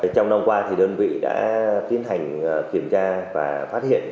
trong năm qua đơn vị đã tiến hành kiểm tra và phát hiện